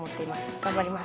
頑張ります。